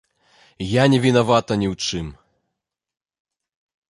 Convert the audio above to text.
Я не вінавата ні ў чым.